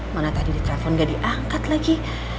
mana tadi di telepon gak diangkat lagi